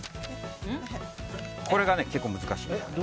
これが結構難しいな。